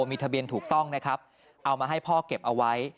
มีทะเบียนถูกต้องนะครับเอามาให้พ่อเก็บเอาไว้